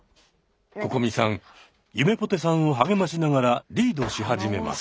ここみさんゆめぽてさんを励ましながらリードし始めます。